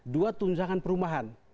dua tunjangan perumahan